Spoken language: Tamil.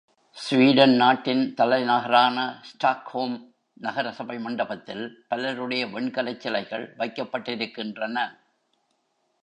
ஸ்வீடன் நாட்டின் தலைநகரான ஸ்டாக்ஹோம் நகரசபை மண்டபத்தில் பலருடைய வெண்கலச் சிலைகள் வைக்கப்பட்டிருக்கின்றன.